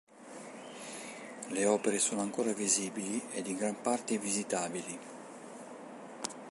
Le opere sono ancora visibili ed in gran parte visitabili.